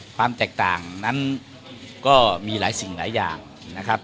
ความแตกต่างนั้นก็มีหลายสิ่งหลายอย่างนะครับ